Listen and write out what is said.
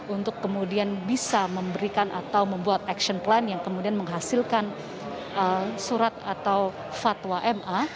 untuk kemudian bisa memberikan atau membuat action plan yang kemudian menghasilkan surat atau fatwa ma